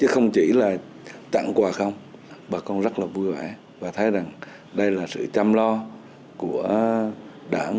không chỉ là tặng quà không bà con rất là vui vẻ và thấy rằng đây là sự chăm lo của đảng